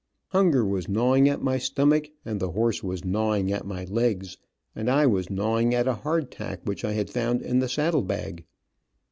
Hunger was gnawing at my stomach, and the horse was gnawing at my legs, and I was gnawing at a hard tack which I had found in the saddle bag.